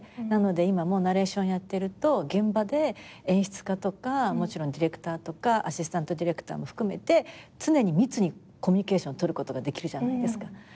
なので今もナレーションやってると現場で演出家とかもちろんディレクターとかアシスタントディレクターも含めて常に密にコミュニケーション取ることができるじゃないですか。